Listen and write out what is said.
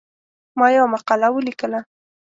ما یوه مقاله ولیکله.